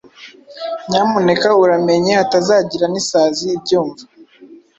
Nyamuneka uramenye hatazagira n’isazi ibyumva!